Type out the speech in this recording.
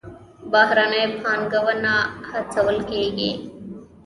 بهرنۍ پانګونه هڅول کیږي